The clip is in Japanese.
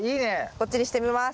こっちにしてみます。